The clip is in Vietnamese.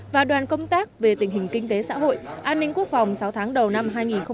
và đoàn công tác về tình hình kinh tế xã hội an ninh quốc phòng sáu tháng đầu năm hai nghìn hai mươi